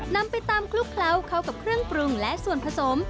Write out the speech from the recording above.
นำไปตำคลุกเคล้าเข้ากับเครื่องปรุงและส่วนผสม